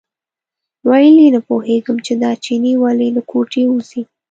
ویل یې نه پوهېږم چې دا چینی ولې له کوټې وځي.